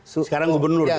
sekarang gubernur ya